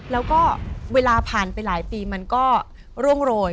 แล้วก็เวลาผ่านไปหลายปีมันก็ร่วงโรย